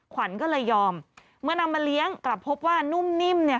ขวัญก็เลยยอมเมื่อนำมาเลี้ยงกลับพบว่านุ่มนิ่มเนี่ย